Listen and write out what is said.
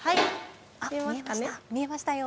見えましたよ。